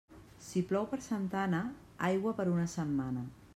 Si plou per Santa Anna, aigua per una setmana.